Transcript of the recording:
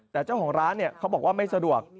แต่เจ้าของร้านเขาบอกว่าไม่สะดวก